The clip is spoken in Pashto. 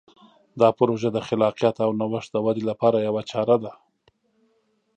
دا پروژه د خلاقیت او نوښت د ودې لپاره یوه چاره ده.